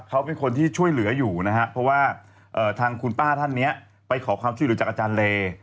เขาเป็นคนที่ช่วยเหลืออยู่นะฮะเพราะว่าทางคุณป้าท่านนี้ไปขอความช่วยเหลือจากอาจารย์เล